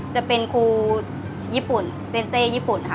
คุณเป็นคุณเซนเซญี่ปุ่นค่ะ